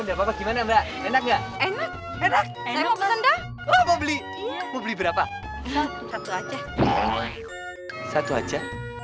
udah papa gimana mbak enak enak enak enak enak mau beli beli berapa satu aja satu aja iya